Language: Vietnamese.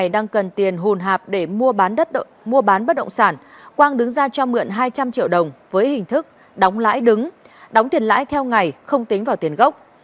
đang cần tiền hồn hạp để mua bán bất động sản quang đứng ra cho mượn hai trăm linh triệu đồng với hình thức đóng lãi đứng đóng tiền lãi theo ngày không tính vào tiền gốc